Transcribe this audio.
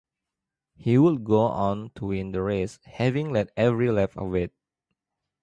He would go on to win the race having led every lap of it.